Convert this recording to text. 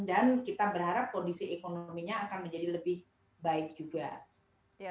dan kita berharap kondisi ekonominya akan menjadi lebih baik juga